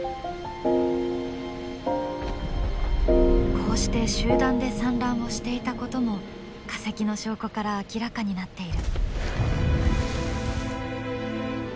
こうして集団で産卵をしていたことも化石の証拠から明らかになっている。